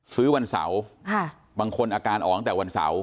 วันเสาร์บางคนอาการออกตั้งแต่วันเสาร์